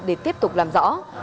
để tiếp tục làm rõ